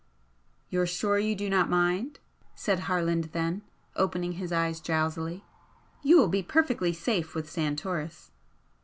"You're sure you do not mind?" said Harland, then, opening his eyes drowsily "You will be perfectly safe with Santoris."